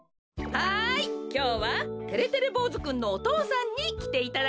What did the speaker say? はいきょうはてれてれぼうずくんのお父さんにきていただきました。